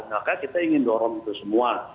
maka kita ingin dorong itu semua